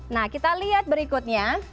nah kita lihat berikutnya